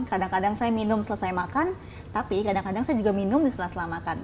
kadang kadang saya minum selesai makan tapi kadang kadang saya juga minum di setelah setelah makan